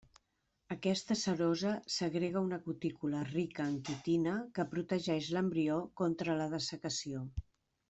Aquesta serosa segrega una cutícula rica en quitina que protegeix l'embrió contra la dessecació.